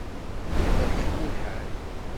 Qrib ad yeḥmu lḥal.